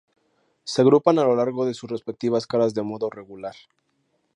Se agrupan a lo largo de sus respectivas caras de modo regular.